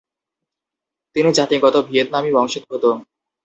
তিনি জাতিগত ভিয়েতনামী বংশোদ্ভূত।